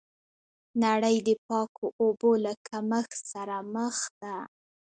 نړۍ د پاکو اوبو له کمښت سره مخ ده.